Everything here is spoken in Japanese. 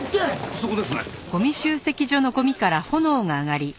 そこですね。